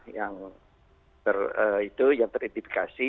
yang itu yang teridentifikasi